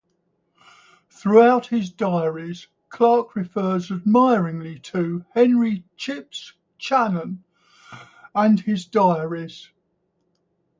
Throughout his diaries Clark refers admiringly to Henry "Chips" Channon and his diaries.